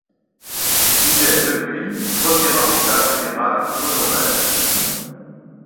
Il est depuis Premier avocat général honoraire.